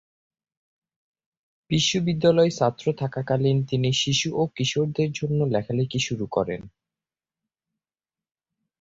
বিশ্ববিদ্যালয়ের ছাত্র থাকাকালীন তিনি শিশু ও কিশোরদের জন্য লেখালেখি শুরু করেন।